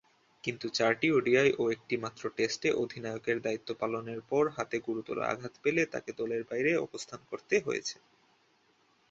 কিন্তু চারটি ওডিআই ও একটিমাত্র টেস্টে অধিনায়কের দায়িত্ব পালনের পর হাতে গুরুতর আঘাত পেলে তাকে দলের বাইরে অবস্থান করতে হয়েছে।